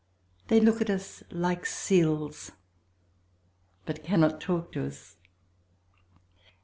They look at us like seals, but cannot talk to us.